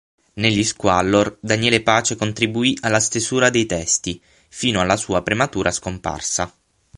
Negli Squallor Daniele Pace contribuì alla stesura dei testi, fino alla sua prematura scomparsa.